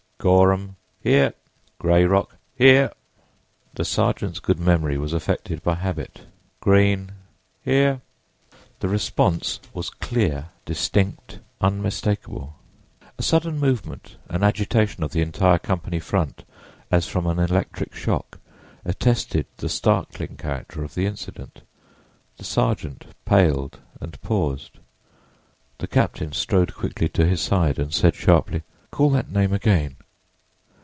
"Gorham." "Here!" "Grayrock." "Here!" The sergeant's good memory was affected by habit: "Greene." "Here!" The response was clear, distinct, unmistakable! A sudden movement, an agitation of the entire company front, as from an electric shock, attested the startling character of the incident. The sergeant paled and paused. The captain strode quickly to his side and said sharply: "Call that name again."